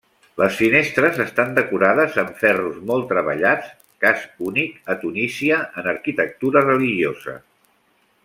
Les finestres estan decorades amb ferros molt treballats, cas únic a Tunísia en arquitectura religiosa.